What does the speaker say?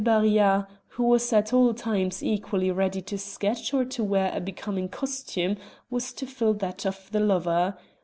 Barillat, who was at all times equally ready to sketch or to wear a becoming costume, was to fill that of the lover.